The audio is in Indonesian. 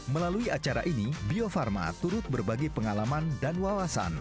melalui acara ini bio farma turut berbagi pengalaman dan wawasan